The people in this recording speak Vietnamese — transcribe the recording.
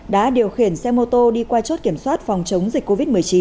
đã điều khiển xe mô tô đi qua chốt kiểm soát phòng chống dịch covid một mươi chín